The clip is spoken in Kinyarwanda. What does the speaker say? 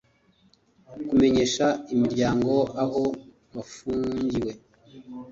kumenyesha imiryango aho bafungiwe